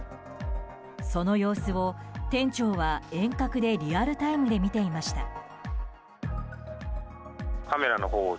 その様子を店長は遠隔でリアルタイムで見ていました。